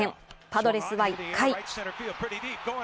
パドレスは１回。